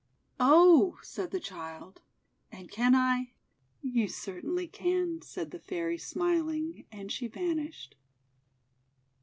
"Oh!" said the Child. "And can I—" 'You certainly can," said the Fairy, smiling, and she vanished.